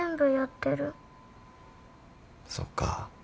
そっか。